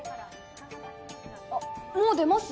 あっもう出ます？